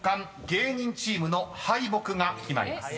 芸人チームの敗北が決まります］